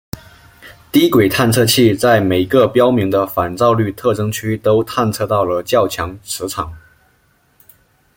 低轨探测器在每个标明的反照率特征区都探测到了较强磁场。